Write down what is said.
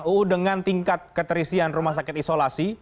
uu dengan tingkat keterisian rumah sakit isolasi